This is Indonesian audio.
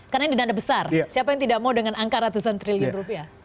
karena ini dana besar siapa yang tidak mau dengan angka ratusan triliun rupiah